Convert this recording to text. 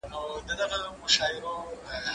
زه به اوږده موده درسونه اورېدلي وم